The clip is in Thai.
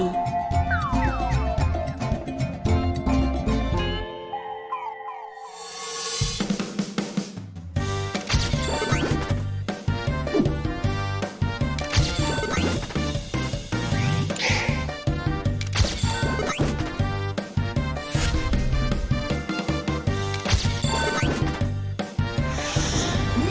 น้องซ่อมมาพอดีเลย